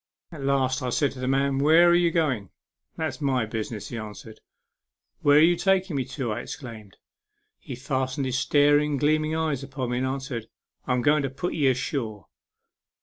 At last I said to the man, " Where are you going ?"" That's my business," he answered. " Where are you taking me to ?" I exclaimed. He fastened his staring, gleaming eyes upon me and answered, " I'm going to put ye ashore."